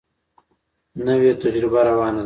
نوې تجربه روانه ده.